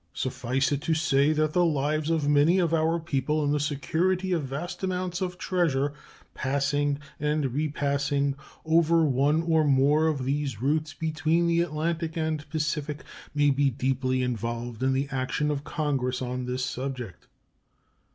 Suffice it to say that the lives of many of our people and the security of vast amounts of treasure passing and repassing over one or more of these routes between the Atlantic and Pacific may be deeply involved in the action of Congress on this subject.